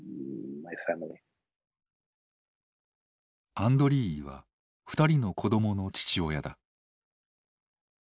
アンドリーイは２人の子どもの父親だ。